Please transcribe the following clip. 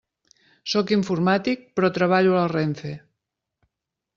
Sóc informàtic, però treballo a la RENFE.